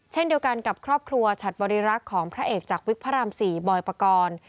เช่นเดียวกันกับครอบครัวฉัดบริรักษ์ของพระเอกจากวิกพระราม๔บอยปกรณ์